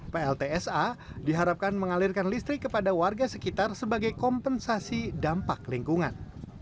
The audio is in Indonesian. pltsa diharapkan mengalirkan listrik kepada warga sekitar sebagai kompensasi dampak lingkungan